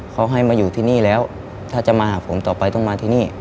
เขาให้มาอยู่ที่นี่แล้วถ้าจะมาหาผมต่อไปต้องมาที่นี่